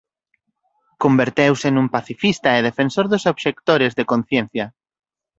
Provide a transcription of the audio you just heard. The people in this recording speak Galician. Converteuse nun pacifista e defensor dos obxectores de conciencia.